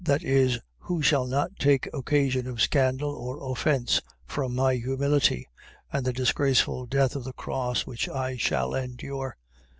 . .That is, who shall not take occasion of scandal or offence from my humility, and the disgraceful death of the cross which I shall endure.